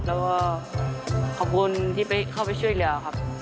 แล้วก็ขอบคุณที่เข้าไปช่วยเหลือครับ